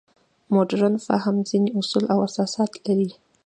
مډرن فهم ځینې اصول او اساسات لري.